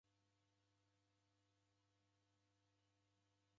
Hata ndoune ngunya.